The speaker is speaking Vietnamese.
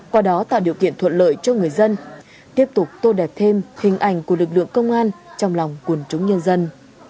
qua đó tạo điều kiện thuận lợi cho người dân tiếp tục tô đẹp thêm hình ảnh của lực lượng công an trong lòng quần chúng nhân dân